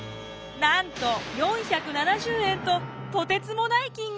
なんと４７０円ととてつもない金額！